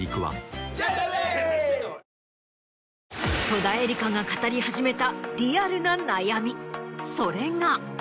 戸田恵梨香が語り始めたリアルな悩みそれが。